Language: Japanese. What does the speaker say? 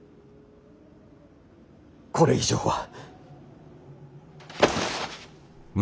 これ以上は。